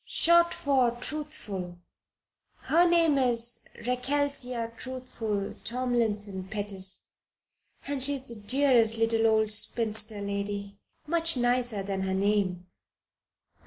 "Short for Truthful. Her name is Rechelsea Truthful Tomlinson Pettis and she is the dearest little old spinster lady much nicer than her name."